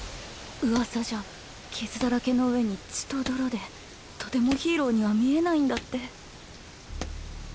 噂じゃ傷だらけの上に血と泥でとてもヒーローには見えないんだって。